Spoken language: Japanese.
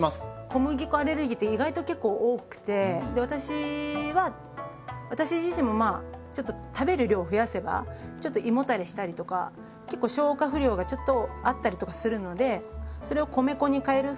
小麦粉アレルギーって意外と結構多くて私は私自身もまあちょっと食べる量増やせばちょっと胃もたれしたりとか結構消化不良がちょっとあったりとかするのでそれを米粉に替える。